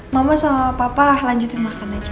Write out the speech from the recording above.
mama sama papa lanjutin makan aja